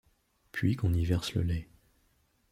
Puis qu'on y verse le lait.